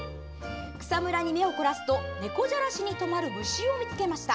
草むらに目を凝らすとねこじゃらしに止まる虫を見つけました。